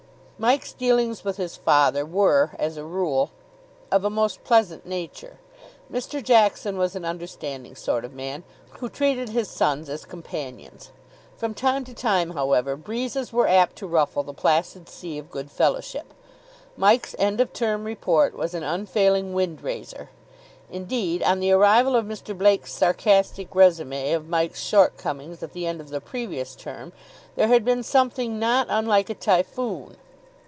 Mike's dealings with his father were as a rule of a most pleasant nature. Mr. Jackson was an understanding sort of man, who treated his sons as companions. From time to time, however, breezes were apt to ruffle the placid sea of good fellowship. Mike's end of term report was an unfailing wind raiser; indeed, on the arrival of Mr. Blake's sarcastic résumé of Mike's short comings at the end of the previous term, there had been something not unlike a typhoon.